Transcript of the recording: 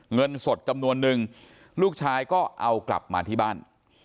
เงินสดจำนวนนึงลูกชายก็เอากลับมาที่บ้าน